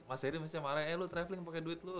mas seri mesti marahin eh lu traveling pake duit lu